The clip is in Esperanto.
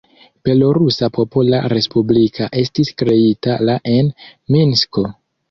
Belorusa Popola Respublika estis kreita la en Minsko.